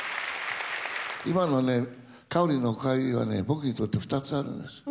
今のね、かおりんのお帰りはね、僕にとって２つあるんです。